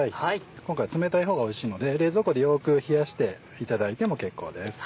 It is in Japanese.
今回冷たい方がおいしいので冷蔵庫でよく冷やしていただいても結構です。